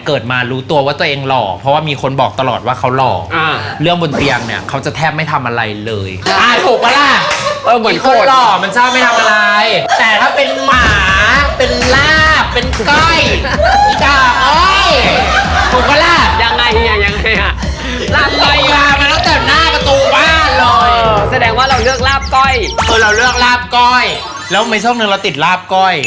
คือเราเลือกลาบก้อยแล้วไม่ช่วงหนึ่งเราติดลาบก้อย